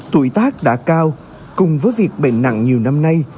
tuổi tác đã cao cùng với việc bệnh nặng nhiều năm nay